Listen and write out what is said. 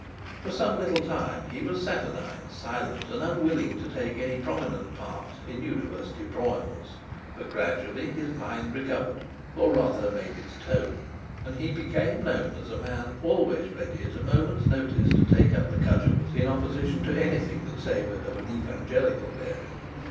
For some little time he was saturnine, silent, and unwilling to take any prominent part in university broils; but gradually his mind recovered, or rather made its tone, and he became known as a man always ready at a moment's notice to take up the cudgels in opposition to anything which savoured of an evangelical bearing.